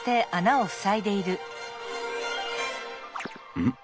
うん？